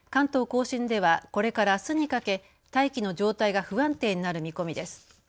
甲信ではこれからあすにかけ大気の状態が不安定になる見込みです。